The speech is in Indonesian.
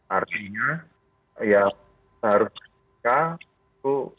artinya ya harus mereka itu